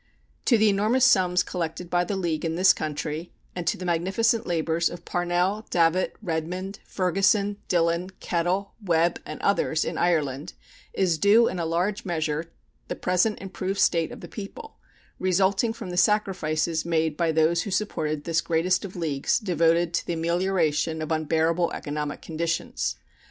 To the enormous sums collected by the League in this country, and to the magnificent labors of Parnell, Davitt, Redmond, Ferguson, Dillon, Kettle, Webb, and others in Ireland, is due in a large measure the present improved state of the people, resulting from the sacrifices made by those who supported this greatest of leagues devoted to the amelioration of unbearable economic conditions.